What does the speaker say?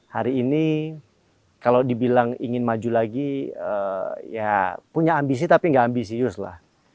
hari ini kalau dibilang ingin maju lagi ya punya ambisi tapi nggak ambisius lah